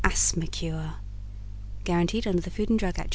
ASTHMA CURE Guaranteed under the Food and Drug Act.